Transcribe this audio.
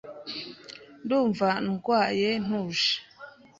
Ndumva ndwaye ntuje.